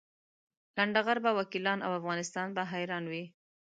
لنډه غر به وکیلان او افغانستان به حیران وي.